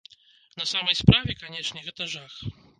На самай справе, канешне, гэта жах!